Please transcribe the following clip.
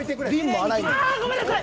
ああごめんなさい！